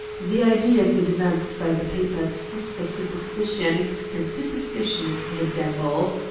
The ideas advanced by the papers foster superstition; and superstition is the devil.